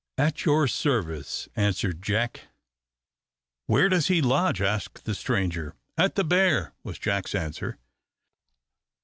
"At your service," answered Jack. "Where does he lodge?" asked the stranger. "At the Bear," was Jack's answer.